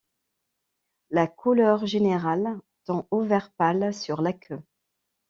La couleur générale tend au vert pâle sur la queue.